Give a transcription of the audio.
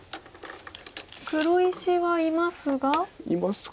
黒石はいますが。